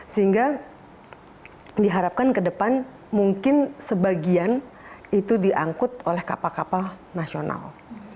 sehingga diharapkan ke depan mungkin sebagian itu diangkut oleh kapal kapal nasional